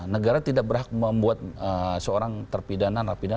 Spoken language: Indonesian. negara tidak berhak membuat seorang terpidana narapidana